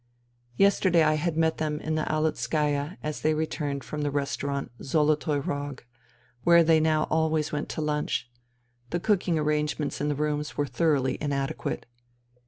Yesterday I had met them in the Aleutskaya as they returned from the restaurant ' Zolotoy Rog,' where they now always went to lunch : the cooking arrangements in the rooms were thoroughly in adequate.